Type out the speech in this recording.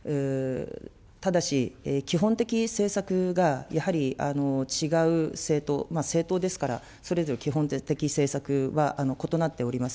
ただし、基本的政策がやはり違う政党、政党ですから、それぞれ基本的政策は異なっております。